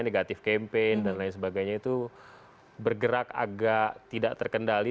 negatif campaign dan lain sebagainya itu bergerak agak tidak terkendali